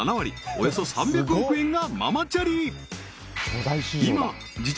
およそ３００億円がママチャリ